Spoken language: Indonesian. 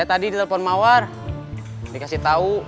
tentang pietra herbert itu sudah abu qurmes move nya tuh gimana